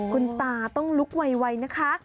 คุณตาต้องลุกไวนะคะ